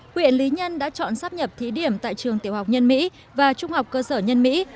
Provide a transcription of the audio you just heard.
huyện lý nhân đã chọn sắp nhập thí điểm tại trường tiểu học nhân mỹ và trung học cơ sở nhân mỹ